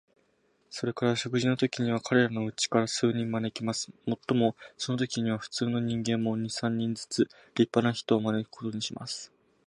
それから食事のときには、彼等のうちから数人招きます。もっともそのときには、普通の人間も、二三人ずつ立派な人を招くことにします。